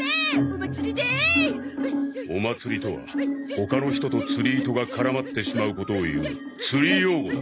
オマツリとは他の人と釣り糸が絡まってしまうことをいう釣り用語だ。